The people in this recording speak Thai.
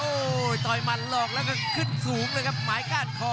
โอ้โหต่อยมันหลอกแล้วก็ขึ้นสูงเลยครับ